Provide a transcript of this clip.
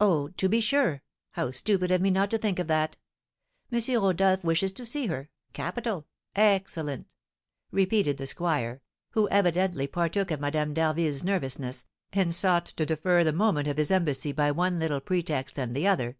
"Oh, to be sure! How stupid of me not to think of that! M. Rodolph wishes to see her, capital, excellent!" repeated the squire, who evidently partook of Madame d'Harville's nervousness, and sought to defer the moment of his embassy by one little pretext and the other.